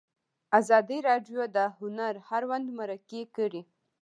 ازادي راډیو د هنر اړوند مرکې کړي.